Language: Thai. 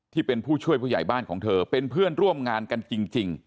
ที่เป็นผู้ช่วยผู้ใหญ่บ้านของเธอเป็นเพื่อนร่วมงานกันจริง